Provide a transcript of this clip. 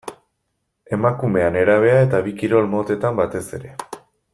Emakumea, nerabea eta bi kirol motetan batez ere.